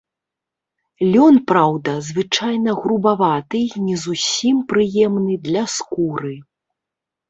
Лён, праўда, звычайна, грубаваты і не зусім прыемны для скуры.